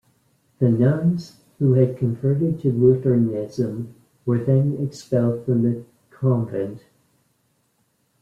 The nuns, who had converted to Lutheranism, were then expelled from the convent.